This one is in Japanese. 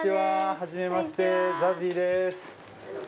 はじめましてＺＡＺＹです。